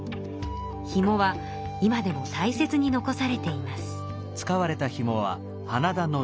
ひもは今でもたいせつに残されています。